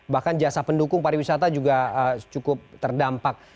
bahkan jasa pendukung pariwisata juga cukup terdampak